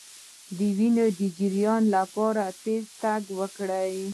د وینې د جریان لپاره تېز تګ وکړئ